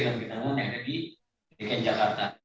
yang kita menangani di jakarta